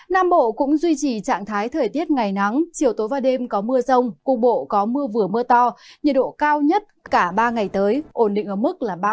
nam bộ cũng duy trì trạng thái thời tiết ngày nắng chiều tối và đêm có mưa rông cục bộ có mưa vừa mưa to nhiệt độ cao nhất cả ba ngày tới ổn định ở mức ba mươi ba độ